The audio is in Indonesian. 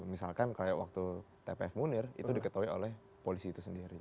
misalkan kayak waktu tpf munir itu diketahui oleh polisi itu sendiri